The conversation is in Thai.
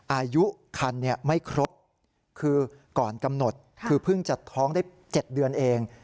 อายุคันไม่ครบคือก่อนกำหนดคือเพิ่งจะท้องได้๗เดือนเอง